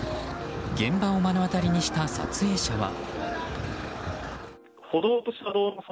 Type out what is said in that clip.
現場を目の当たりにした撮影者は。